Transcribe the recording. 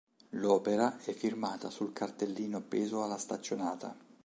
L'opera è firmata sul cartellino appeso alla staccionata.